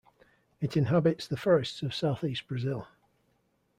It inhabits the forests of south-east Brazil.